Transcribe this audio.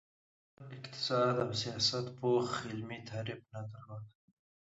هنر، اقتصاد او سیاست پوخ علمي تعریف نه درلود.